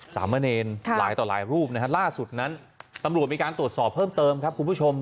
สามเณรหลายต่อหลายรูปนะฮะล่าสุดนั้นตำรวจมีการตรวจสอบเพิ่มเติมครับคุณผู้ชม